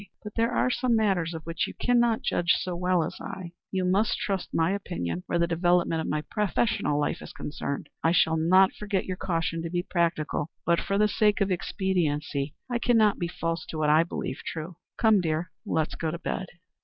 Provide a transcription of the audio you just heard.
But there are some matters of which you cannot judge so well as I. You must trust my opinion where the development of my professional life is concerned. I shall not forget your caution to be practical, but for the sake of expediency I cannot be false to what I believe true. Come, dear, let us go to bed."